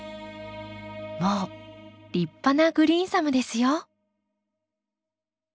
もう立派なグリーンサムですよ。